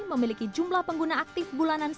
memiliki jumlah pengguna aktif bulan ini